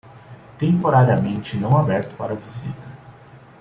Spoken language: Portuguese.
Temporariamente não aberto para visita